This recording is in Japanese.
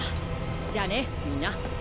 じゃあねみんな。